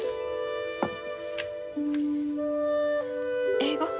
英語？